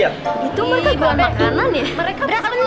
jangan main dorong dorongan kayak nonton konser dangdut begitu aja